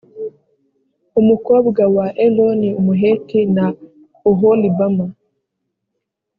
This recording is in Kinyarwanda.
umukobwa wa eloni umuheti na oholibama